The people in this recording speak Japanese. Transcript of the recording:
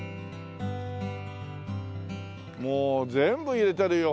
もう全部入れてるよ。